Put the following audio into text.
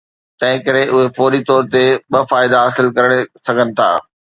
تنهن ڪري اهي فوري طور تي ٻه فائدا حاصل ڪري سگهن ٿا.